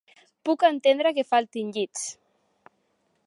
Puc entendre que faltin llits.